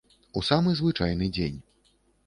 У самы звычайны дзень.